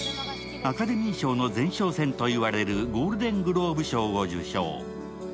アカデミー賞の前哨戦と言われるゴールデン・グローブ賞を受賞。